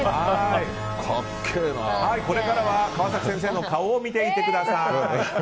これからは川崎先生の顔を見ていてください。